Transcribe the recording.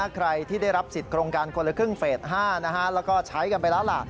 ใครที่ได้รับสิทธิโครงการคนละครึ่งเฟส๕แล้วก็ใช้กันไปแล้วล่ะ